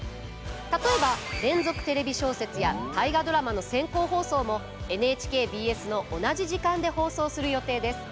例えば「連続テレビ小説」や「大河ドラマ」の先行放送もＮＨＫＢＳの同じ時間で放送する予定です。